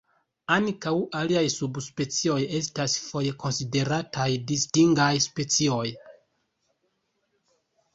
Ankaŭ aliaj subspecioj estas foje konsiderataj distingaj specioj.